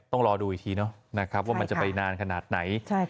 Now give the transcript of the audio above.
ต้องรอดูอีกทีนะครับว่ามันจะไปนานขนาดไหน